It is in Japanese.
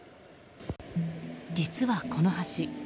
実はこの橋